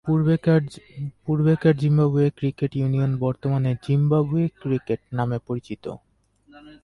পূর্বেকার Zimbabwe cricket union বর্তমানে 'Zimbabwe cricket' নামে পরিচিত।